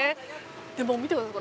でも、見てください。